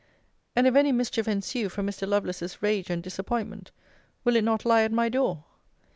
And if any mischief ensue from Mr. Lovelace's rage and disappointment, will it not lie at my door?